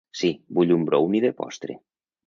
Sí, vull un brownie de postre.